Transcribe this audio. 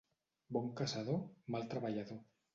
Bon caçador, mal treballador.